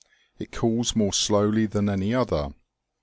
It cools more slowly than any other.